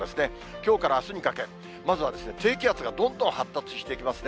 きょうからあすにかけ、まずはですね、低気圧がどんどん発達していきますね。